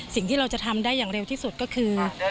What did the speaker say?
สิ่งที่เราจะทำได้อย่างเร็วที่สุดก็คือ